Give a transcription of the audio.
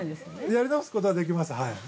◆やり直すことはできます、はい。